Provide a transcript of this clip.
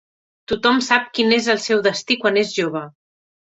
Tothom sap quin és el seu destí quan és jove.